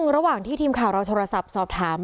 ระหว่างที่ทีมข่าวเราโทรศัพท์สอบถาม